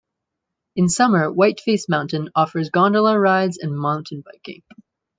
In summer, Whiteface Mountain offers gondola rides and mountain biking.